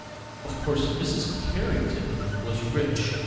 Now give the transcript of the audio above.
Of course Mrs. Carrington was rich.